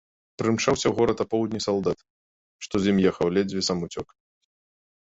Прымчаўся ў горад апоўдні салдат, што з ім ехаў, ледзьве сам уцёк.